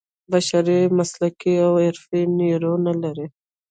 بشري مسلکي او حرفوي نیرو نه لري.